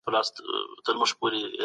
ښه څېړنه د روښانه راتلونکي تضمین کوي.